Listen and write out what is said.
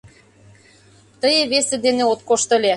Тые весе дене от кошт ыле.